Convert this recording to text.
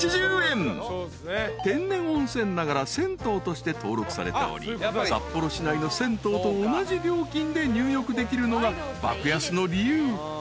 ［天然温泉ながら銭湯として登録されており札幌市内の銭湯と同じ料金で入浴できるのが爆安の理由］